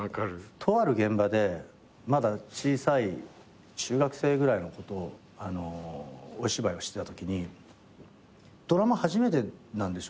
とある現場でまだ小さい中学生ぐらいの子とお芝居をしてたときにドラマ初めてなんでしょ？